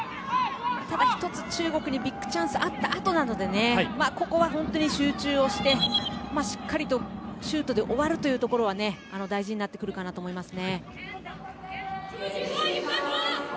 ただ、１つ中国にビッグチャンスがあったあとなのでここは集中してしっかりとシュートで終わるというところが大事になってくるかなと思います。